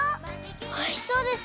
おいしそうですね！